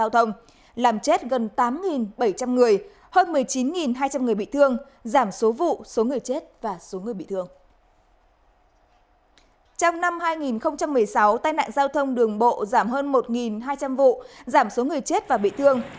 trong năm hai nghìn một mươi sáu tai nạn giao thông đường bộ giảm hơn một hai trăm linh vụ giảm số người chết và bị thương